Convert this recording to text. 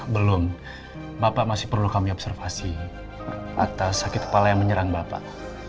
belum bapak masih perlu kami observasi atas sakit kepala yang menyerang bapak